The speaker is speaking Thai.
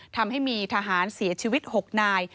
ทำให้มีทหารเสียชีวิต๖นาย